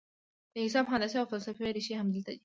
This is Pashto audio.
د حساب، هندسې او فلسفې رېښې همدلته دي.